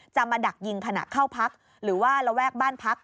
มาดักยิงขณะเข้าพักหรือว่าระแวกบ้านพัก